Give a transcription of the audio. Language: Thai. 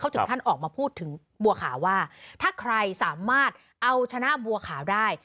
ถึงขั้นออกมาพูดถึงบัวขาวว่าถ้าใครสามารถเอาชนะบัวขาวได้